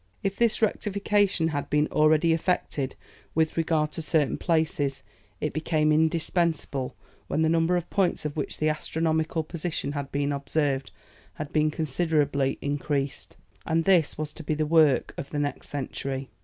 If this rectification had been already effected with regard to certain places, it became indispensable when the number of points of which the astronomical position had been observed, had been considerably increased; and this was to be the work of the next century.